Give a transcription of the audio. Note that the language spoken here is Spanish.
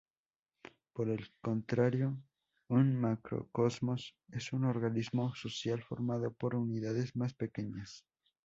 Por el contrario, un macrocosmos es un organismo social formado por unidades más pequeñas.